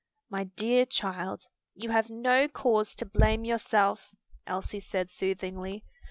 "My dear child, you have no cause to blame yourself," Elsie said soothingly.